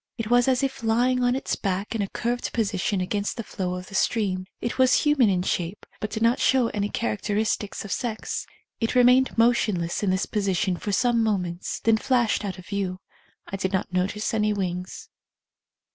It was as if lying on its back in a curved position against the flow of the stream. It was human in shape, but did not show any characteristics of sex. It re mained motionless in this position for some moments, then flashed out of view. I did not notice any wings.